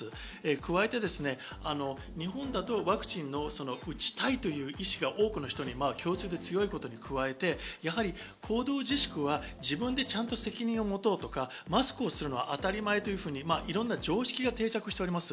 加えて、日本だとワクチンを打ちたいという意思が多くの人に共通して強いことに加えて、行動自粛は自分でちゃんと責任を持とうとか、マスクをするのが当たり前というふうに、いろんな常識が定着してます。